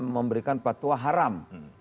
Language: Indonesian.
memberikan patwa haram